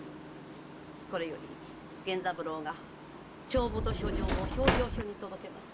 これより源三郎が帳簿と書状を評定所に届けます。